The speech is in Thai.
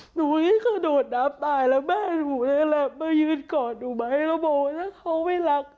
หนูให้เขาโดดน้ำตายแล้วแม่หนูเนี้ยแหละมายืนกอดหนูไหมแล้วบอกว่าถ้าเขาไม่รัก